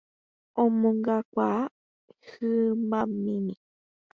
omongakuaáva hymbamimi